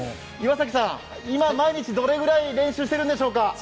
岩崎さん、今、毎日どれくらい練習してるんでしょうか？